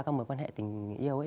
các mối quan hệ tình yêu ấy